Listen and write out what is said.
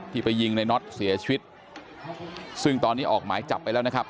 ไปยิงในน็อตเสียชีวิตซึ่งตอนนี้ออกหมายจับไปแล้วนะครับ